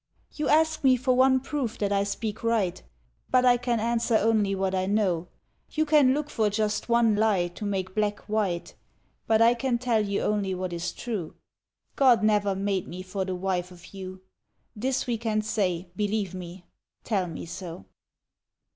^^ You ask me for one proof that I speak right, But I can answer only what I know ; You look for just one lie to make black white, But I can tell you only what is true — God never made me for the wife of you. This we can say, — believe me !... Tell mc so!"